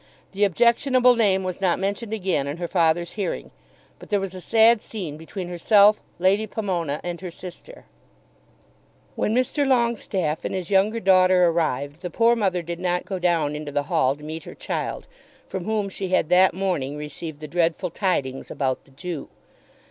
The objectionable name was not mentioned again in her father's hearing, but there was a sad scene between herself, Lady Pomona, and her sister. When Mr. Longestaffe and his younger daughter arrived, the poor mother did not go down into the hall to meet her child, from whom she had that morning received the dreadful tidings about the Jew.